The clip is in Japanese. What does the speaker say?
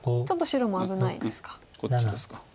ちょっと白も危ないんですか。